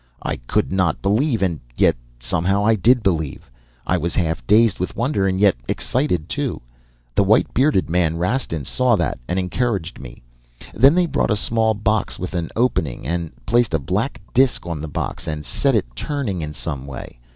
"I could not believe and yet somehow I did believe! I was half dazed with wonder and yet excited too. The white bearded man, Rastin, saw that, and encouraged me. Then they brought a small box with an opening and placed a black disk on the box, and set it turning in some way.